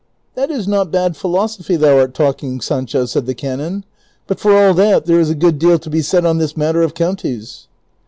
" That is not bad philosophy thou art talking, Sancho," said the canon ;" but for all that there is a good deal to be said on this matter of counties."